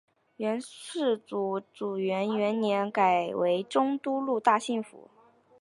元世祖至元元年改为中都路大兴府。